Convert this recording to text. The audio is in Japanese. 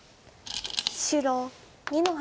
白２の八。